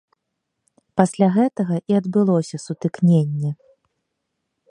Пасля гэтага і адбылося сутыкненне.